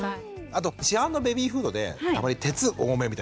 あと市販のベビーフードでたまに鉄多めみたいな。